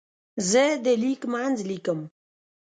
زه د لیک منځ لیکم.